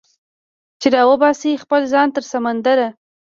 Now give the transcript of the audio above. چې راوباسي خپل ځان تر سمندره